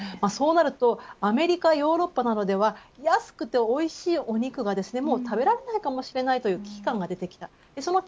そうなるとアメリカやヨーロッパでは安くておいしいお肉が食べられないかもしれないという危機感があります。